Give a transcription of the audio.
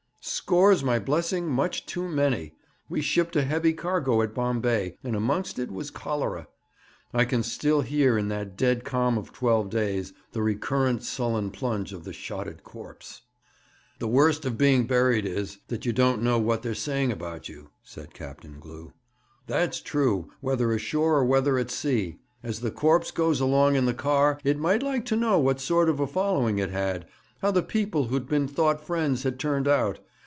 'Scores, my blessing; much too many. We shipped a heavy cargo at Bombay, and amongst it was cholera. I can still hear, in that dead calm of twelve days, the recurrent, sullen plunge of the shotted corpse.' 'The worst of being buried is, that you don't know what they're saying about you,' said Captain Glew. 'That's true, whether ashore or whether at sea. As the corpse goes along in the car, it might like to know what sort of a following it had, how the people who'd been thought friends had turned out.